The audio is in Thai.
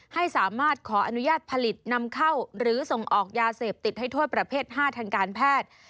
ให้สามารถขออนุญาตผลิตนำเข้าหรือส่งออกยาเสพติดให้โทษประเภท๕ทางการแพทย์